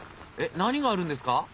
えっ何があるんですか？